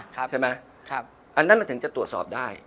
ใช่ไหมอันนั้นมันถึงจะตรวจสอบได้